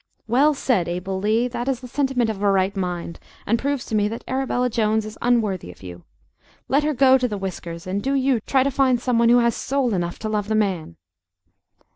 "Well said, Abel Lee! That is the sentiment of a right mind, and proves to me that Arabella Jones is unworthy of you. Let her go to the whiskers, and do you try to find some one who has soul enough to love the man."